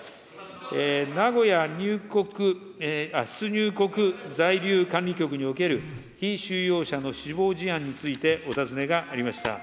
名古屋入国、出入国在留管理局における被収容者の死亡事案について、お尋ねがありました。